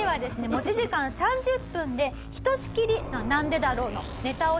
持ち時間３０分でひとしきり「なんでだろう」のネタを披露します。